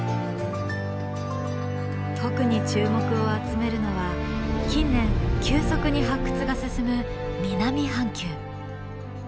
特に注目を集めるのは近年急速に発掘が進む南半球。